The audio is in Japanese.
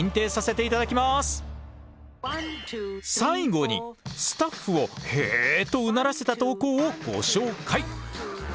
最後にスタッフを「へえ」とうならせた投稿をご紹介！